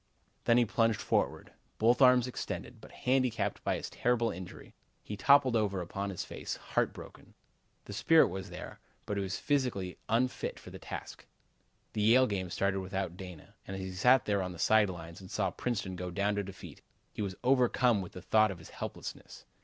Then he plunged forward, both arms extended, but handicapped by his terrible injury, he toppled over upon his face, heart broken. The spirit was there, but he was physically unfit for the task. The Yale game started without Dana, and as he sat there on the side lines and saw Princeton go down to defeat, he was overcome with the thought of his helplessness.